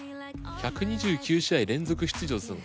１２９試合連続出場したの？